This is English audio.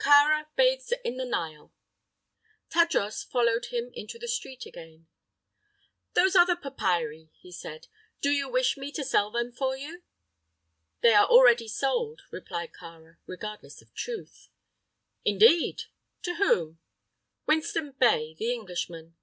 KĀRA BATHES IN THE NILE. Tadros followed him into the street again. "Those other papyri," he said "do you wish me to sell them for you?" "They are already sold," replied Kāra, regardless of truth. "Indeed! To whom?" "Winston Bey, the Englishman."